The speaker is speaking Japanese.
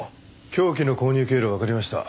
凶器の購入経路がわかりました。